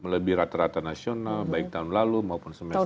lebih rata rata nasional baik tahun lalu maupun semester